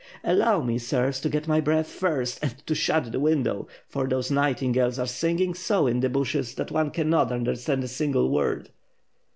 "Allow me, sirs, to get my breath first and to shut the window, for those nightingales are singing so in the bushes that one cannot understand a single word."